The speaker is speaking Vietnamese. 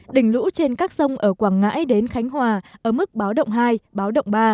đỉnh lũ trên các sông ở quảng ngãi đến khánh hòa ở mức báo động hai báo động ba